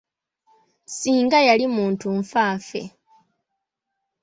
Singa yali muntu nfa ffe.